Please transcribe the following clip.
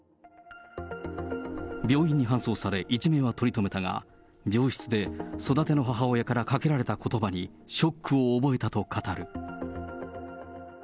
病院に搬送され、一命はとりとめたが、病室で育ての母親からかけられたことばに、ショックを覚えたと語る。